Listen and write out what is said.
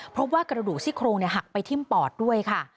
เพราะว่ากระดูกซี่โครงหักไปทิ้มปอดด้วยค่ะ